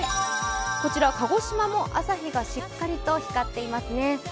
こちら鹿児島も朝日がしっかりと光っていますね。